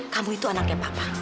kamu itu anaknya papa